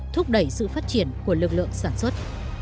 thúc đẩy sự phát triển của lực lượng sản xuất